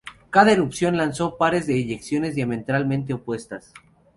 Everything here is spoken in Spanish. Cada erupción lanzó pares de eyecciones diametralmente opuestas.